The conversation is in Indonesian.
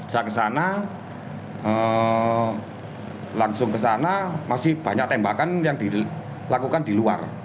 saya kesana langsung ke sana masih banyak tembakan yang dilakukan di luar